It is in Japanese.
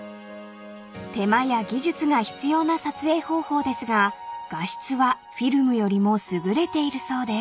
［手間や技術が必要な撮影方法ですが画質はフィルムよりも優れているそうです］